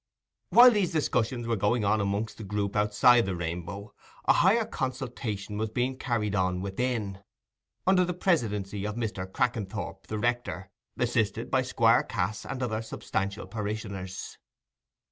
While these discussions were going on amongst the group outside the Rainbow, a higher consultation was being carried on within, under the presidency of Mr. Crackenthorp, the rector, assisted by Squire Cass and other substantial parishioners.